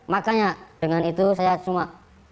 makanya dengan itu saya cuma